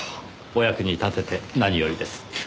お役に立てて何よりです。